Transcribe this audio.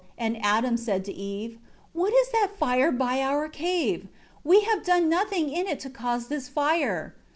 And Adam said to Eve, "What is that fire by our cave? We have done nothing in it to cause this fire.